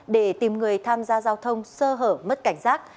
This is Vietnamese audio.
để tìm người tham gia giao thông sơ hở mất cảnh giác